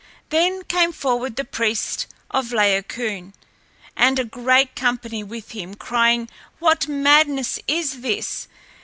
Then came forward the priest Laocoön, and a great company with him, crying, "What madness is this?